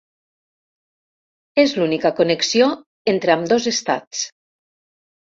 És l'única connexió entre ambdós estats.